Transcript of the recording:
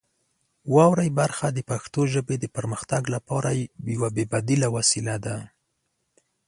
واورئ برخه د پښتو ژبې د پرمختګ لپاره یوه بې بدیله وسیله ده.